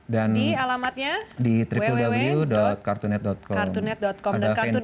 di alamatnya www kartunet com